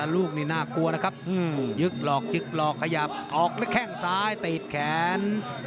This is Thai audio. ลูกนี่น่ากลัวนะครับยึกหลอกยึกหลอกขยับออกด้วยแข้งซ้ายตีดแขน